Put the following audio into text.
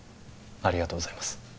ありがとうございます